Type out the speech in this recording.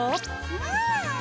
うん！